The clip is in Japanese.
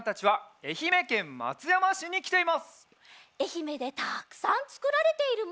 えひめでたっくさんつくられているものが。